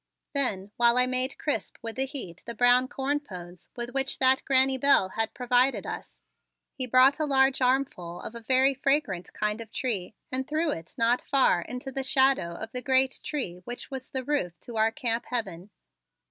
Then, while I made crisp with the heat the brown corn pones, with which that Granny Bell had provided us, he brought a large armful of a very fragrant kind of tree and threw it not far into the shadow of the great tree which was the roof to our Camp Heaven.